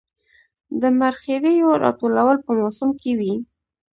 د مرخیړیو راټولول په موسم کې وي